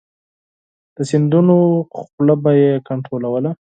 د سیندونو خوله به یې کنترولوله.